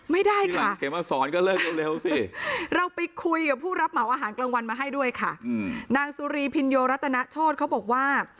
ไม่ได้ค่ะเราไปคุยกับผู้รับเหมาอาหารกลางวันมาให้ด้วยค่ะนางสุรีพินโยรัตนโชทเขาบอกว่า